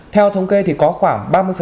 theo thống kê thì có khoảng